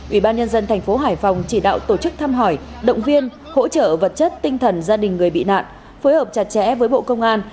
ủy ban nhân dân thành phố hải phòng chỉ đạo tổ chức thăm hỏi động viên hỗ trợ vật chất tinh thần gia đình người bị nạn phối hợp chặt chẽ với bộ công an